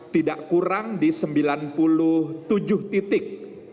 tidak kurang di sembilan puluh tujuh titik